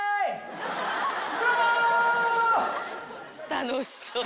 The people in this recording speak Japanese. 楽しそう！